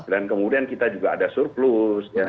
dan kemudian kita juga ada surplus